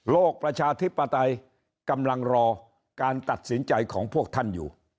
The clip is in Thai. ประชาธิปไตยกำลังรอการตัดสินใจของพวกท่านอยู่